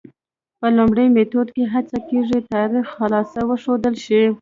په لومړي میتود کې هڅه کېږي تاریخ خالص وښودل شي.